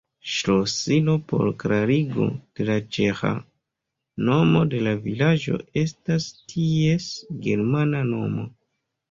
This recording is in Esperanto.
Ŝlosilo por klarigo de la ĉeĥa nomo de la vilaĝo estas ties germana nomo.